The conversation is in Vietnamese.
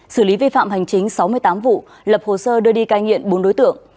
xử lý vi phạm hành chính sáu mươi tám vụ lập hồ sơ đưa đi cai nghiện bốn đối tượng